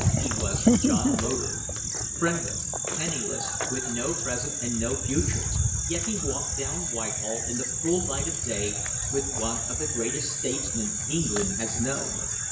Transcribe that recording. He was John Loder, friendless, penniless, with no present and no future, yet he walked down Whitehall in the full light of day with one of the greatest statesmen England has known.